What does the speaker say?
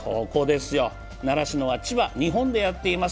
習志野は千葉、日本でやっています